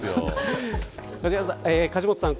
梶本さん